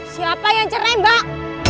siapa yang cerai mbak